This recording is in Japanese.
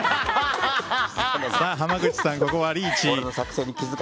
濱口さん、ここはリーチ。